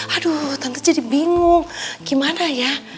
aduh tangkis jadi bingung gimana ya